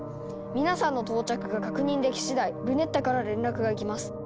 皆さんの到着が確認できしだいルネッタから連絡が行きます。